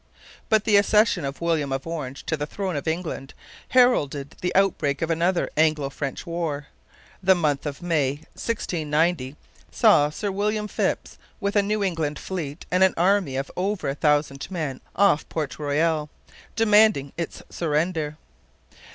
But the accession of William of Orange to the throne of England heralded the outbreak of another Anglo French war. The month of May 1690 saw Sir William Phips with a New England fleet and an army of over a thousand men off Port Royal, demanding its surrender.